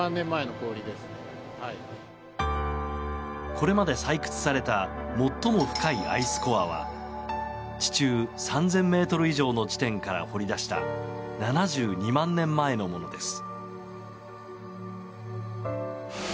これまで採掘された最も深いアイスコアは地中３０００ｍ以上の地点から掘り出した７２万年前のものです。